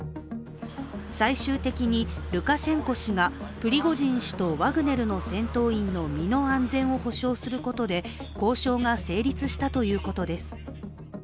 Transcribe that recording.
最終的にルカシェンコ氏がプリゴジン氏とワグネルの戦闘員の身の安全を保証することで交渉が成立したということです。